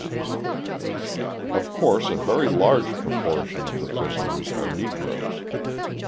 Of course a very large proportion of the prisoners are Negroes.